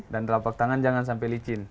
dan telapak tangan jangan sampai licin